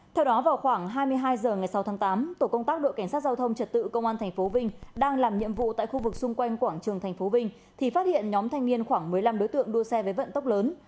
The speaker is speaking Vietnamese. theo đó vào khoảng hai mươi hai h ngày sáu tháng tám tổ công tác đội cảnh sát giao thông trật tự công an tp vinh đang làm nhiệm vụ tại khu vực xung quanh quảng trường tp vinh thì phát hiện nhóm thanh niên khoảng một mươi năm đối tượng đua xe với vận tốc lớn